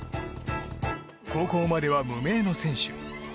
高校までは無名の選手。